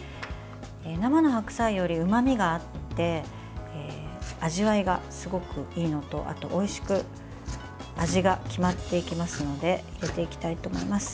生の白菜より、うまみがあって味わいがすごくいいのとあと、おいしく味が決まっていきますので入れていきたいと思います。